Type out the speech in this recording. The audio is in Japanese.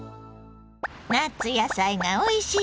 夏野菜がおいしい